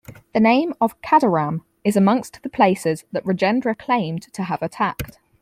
The name of "Kadaram" is amongst the places that Rajendra claimed to have attacked.